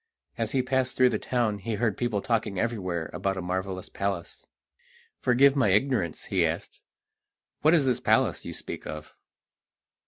As he passed through the town he heard people talking everywhere about a marvellous palace. "Forgive my ignorance," he asked, "what is this palace you speak of?"